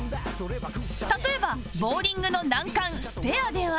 例えばボウリングの難関スペアでは